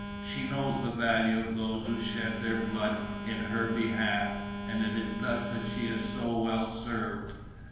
She knows the value of those who shed their blood in her behalf, and it is thus that she is so well served!